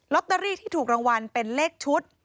ตเตอรี่ที่ถูกรางวัลเป็นเลขชุด